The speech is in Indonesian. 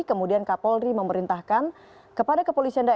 kemudian kapolri memerintahkan kepada kepolisian daerah